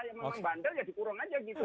ya memang bandel ya dikurung aja gitu